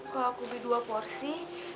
kalau aku beli dua porsi